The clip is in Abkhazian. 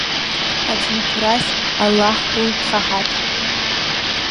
Ацынхәрас, Аллаҳ, улԥха ҳаҭ!